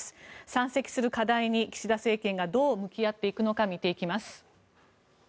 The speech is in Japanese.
山積する課題に岸田政権がどう向き合っていくのか見ていきます。